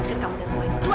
bersihkan kamu dari gue